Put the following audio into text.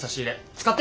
使って！